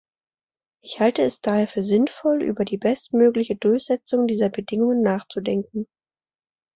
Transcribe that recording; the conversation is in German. Ich halte es daher für sinnvoll, über die bestmögliche Durchsetzung dieser Bedingungen nachzudenken.